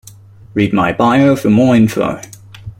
Read my bio for more info.